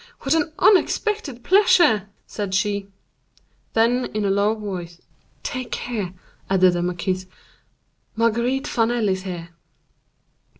what an unexpected pleasure!" said she. Then, in a low voice, "Take care!" added the marquise, "Marguerite Vanel is here!"